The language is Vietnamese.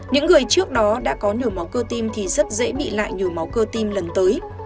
những người trước đó đã có nhồi máu cơ tim thì rất dễ bị lại nhồi máu cơ tim lần tới